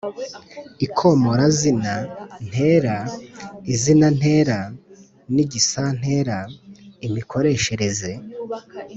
ikomorazina, ntera, izinantera n’igisantera, imikoreshereze